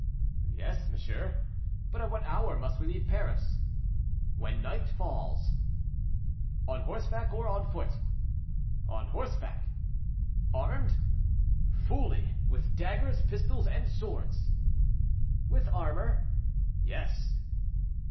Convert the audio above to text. "Yes, monsieur; but at what hour must we leave Paris?" "When night falls." "On horseback or on foot?" "On horseback." "Armed?" "Fully; with daggers, pistols, and swords." "With armor?" "Yes."